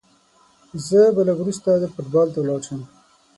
زه به لږ وروسته فوټبال ته ولاړ سم.